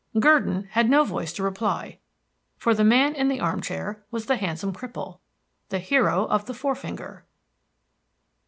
Gurdon had no voice to reply, for the man in the armchair was the handsome cripple the hero of the forefinger.